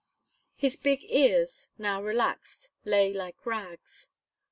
His big ears, now relaxed, lay like rags.